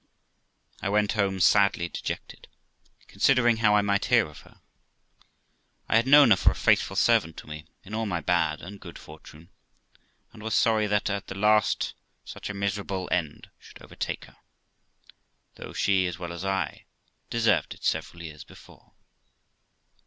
I went home sadly dejected, considering how I might hear of her. I had known her for a faithful servant to me, in all my bad and good fortune, and was sorry that at the last such a miserable end should overtake her, though she, as well as I, deserved it several years before.